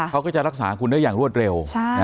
เขาก็จะรักษาคุณได้อย่างรวดเร็ว